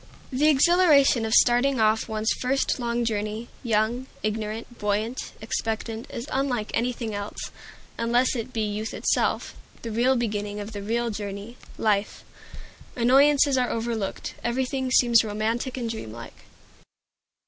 The exhilaration of starting off on one's first long journey, young, ignorant, buoyant, expectant, is unlike anything else, unless it be youth itself, the real beginning of the real journey life. Annoyances are overlooked. Everything seems romantic and dreamlike.